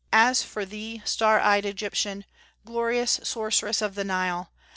As for thee, star ey'd Egyptian! Glorious sorceress of the Nile!